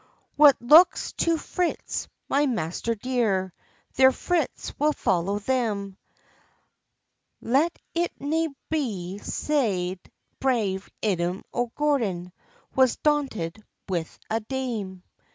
"Wha looks to freits, my master dear, Their freits will follow them; Let it ne'er be said brave Edom o' Gordon Was daunted with a dame."